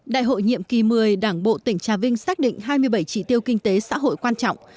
đại hội nhiệm kỳ một mươi đảng bộ tỉnh trà vinh xác định hai mươi bảy chỉ tiêu kinh tế xã hội quan trọng